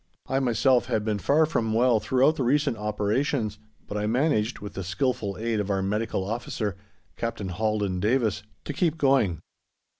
I myself had been far from well throughout the recent operations, but I managed, with the skilful aid of our Medical Officer, Captain Haldin Davis, to keep going.